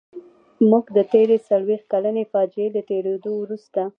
موږ د تېرې څلويښت کلنې فاجعې له تېرېدو وروسته.